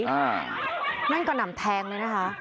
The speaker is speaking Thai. อ่านั้นก็หนำแทงเลยนะคะ